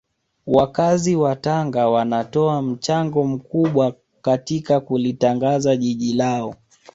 Wakazi wa Tanga wanatoa mchango mkubwa katika kulitangaza jiji lao